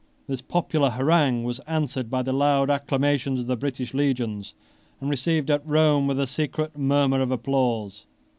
This popular harangue was answered by the loud acclamations of the British legions, and received at Rome with a secret murmur of applause.